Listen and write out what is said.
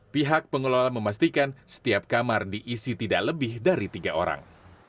pihak pengelola memastikan setiap kamar diisi tidak lebih dari tiga orang